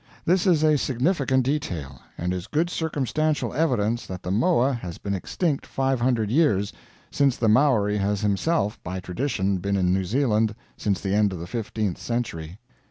This is a significant detail, and is good circumstantial evidence that the moa has been extinct 500 years, since the Maori has himself by tradition been in New Zealand since the end of the fifteenth century.